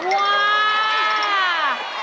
ว้าว